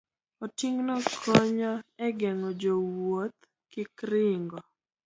Oting'no konyo e geng'o jowuoth kik ringo